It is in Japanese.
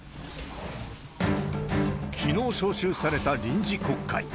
きのう召集された臨時国会。